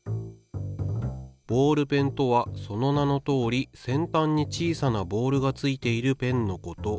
「ボールペンとはその名のとおり先たんに小さなボールがついているペンのこと。